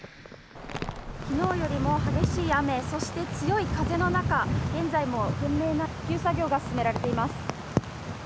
昨日よりも激しい雨そして強い風の中現在も懸命な復旧作業が進められています。